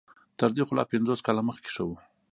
تر دې خو لا پنځوس کاله مخکې ښه وو.